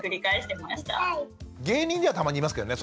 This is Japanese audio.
芸人ではたまにいますけどね。